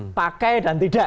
kita pakai dan tidak